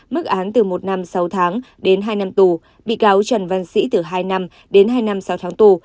mức án từ một năm sáu tháng đến hai năm tù bị cáo trần văn sĩ từ hai năm đến hai năm sáu tháng tù